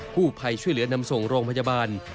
ผู้ภัยช่วยเหลือนำส่งโรงพยาบาล